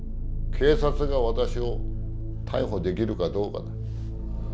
警察が私を逮捕できるかどうかだ。